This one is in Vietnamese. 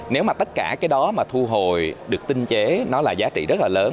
nếu mà tất cả cái đó mà thu hồi được tinh chế nó là giá trị rất là lớn